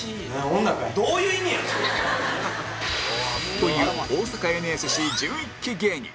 という大阪 ＮＳＣ１１ 期芸人